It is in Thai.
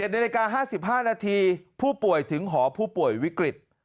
๑นาฬิกา๕๕นาทีผู้ป่วยถึงหอผู้ป่วยวิกฤต